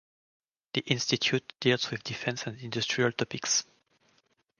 The Institute deals with defense and industrial topics.